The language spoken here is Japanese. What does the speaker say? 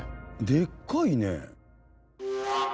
でっかいね。